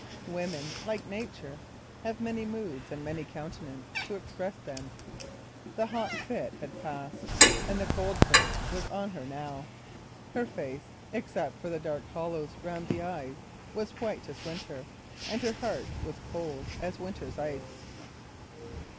Women, like nature, have many moods and many aspects to express them. The hot fit had passed, and the cold fit was on her now. Her face, except for the dark hollows round the eyes, was white as winter, and her heart was cold as winter's ice.